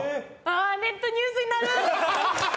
ネットニュースになる！